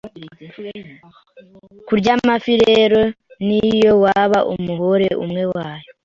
Kurya amafi rero niyo waba umuhore umwe wayo